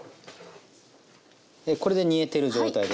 これで煮えてる状態ですね。